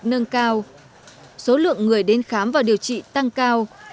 nâng cao số lượng người đến khám và điều trị tăng cao